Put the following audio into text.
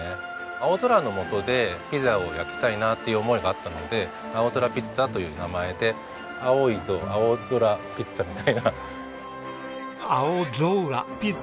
青空のもとでピザを焼きたいなっていう思いがあったので「あおぞらピッツァ」という名前で「アオゾウらピッツァ」いいですね。